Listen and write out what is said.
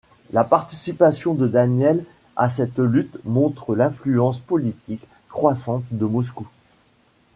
La participation de Daniel à cette lutte montre l'influence politique croissante de Moscou.